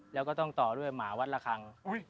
แล้วก็ต้องต่อด้วยหมาวัดละครั้ง